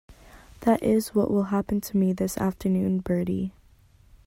That is what will happen to me this afternoon, Bertie.